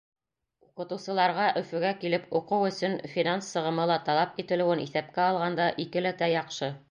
Уҡытыусыларға Өфөгә килеп уҡыу өсөн финанс сығымы ла талап ителеүен иҫәпкә алғанда, икеләтә яҡшы.